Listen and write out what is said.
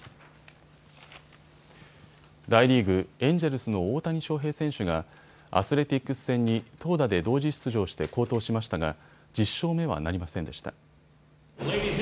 大リーグ、エンジェルスの大谷翔平選手がアスレティックス戦に投打で同時出場して好投しましたが１０勝目はなりませんでした。